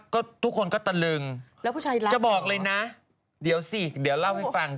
ก็ทุกคนก็ตะลึงจะบอกเลยนะเดี๋ยวสิเดี๋ยวเล่าให้ฟัง